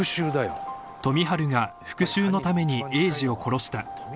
［富治が復讐のために栄治を殺した］